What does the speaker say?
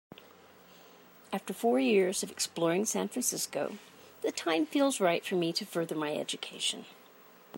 After four years of exploring San Francisco, the time feels right for me to further my education.